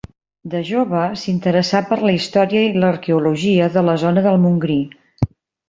De jove s'interessà per la història i l'arqueologia de la zona del Montgrí.